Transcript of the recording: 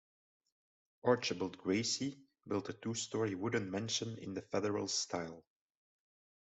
Archibald Gracie built the two-story wooden mansion in the Federal style.